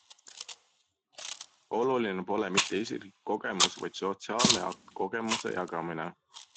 Oluline pole mitte isiklik kogemus, vaid sotsiaalne akt, kogemuse jagamine.